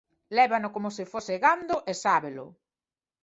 Lévano coma se fose gando, e sábelo.